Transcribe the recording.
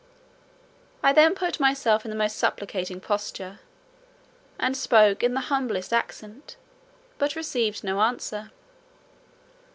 I then put myself in the most supplicating posture, and spoke in the humblest accent, but received no answer.